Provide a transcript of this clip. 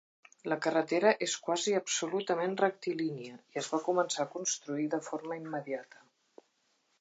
La carretera era quasi absolutament rectilínia i es va començar a construir de forma immediata.